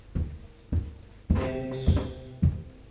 مینکس